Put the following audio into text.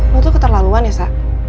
lo tuh keterlaluan ya sa